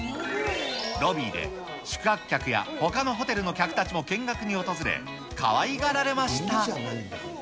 ロビーで宿泊客やほかのホテルの客たちも見学に訪れ、かわいがられました。